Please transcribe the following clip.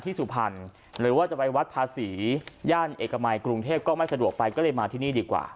สุพรรณหรือว่าจะไปวัดภาษีย่านเอกมัยกรุงเทพก็ไม่สะดวกไปก็เลยมาที่นี่ดีกว่า